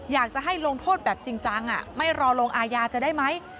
อยากจะให้ลงโทษแบบจริงจังไม่รอลงอาญาจะได้ไหม